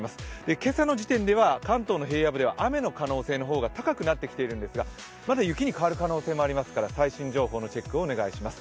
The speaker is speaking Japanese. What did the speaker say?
今朝の時点では関東の平野部では雨の可能性の方が高くなってきているんですがまだ雪に変わる可能性もありますから最新情報のチェックをお願いします。